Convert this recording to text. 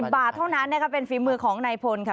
บาทเท่านั้นนะคะเป็นฝีมือของนายพลค่ะ